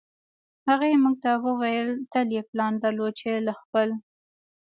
هغې موږ ته وویل تل یې پلان درلود چې له خپل